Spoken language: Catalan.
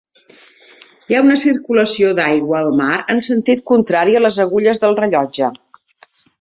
Hi ha una circulació d'aigua al mar en sentit contrari a les agulles del rellotge.